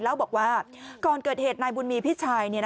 เล่าบอกว่าก่อนเกิดเหตุนายบุญมีพี่ชาย